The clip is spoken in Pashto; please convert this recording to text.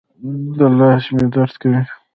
دا لاس مې درد کوي